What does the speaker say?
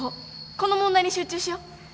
この問題に集中しよう。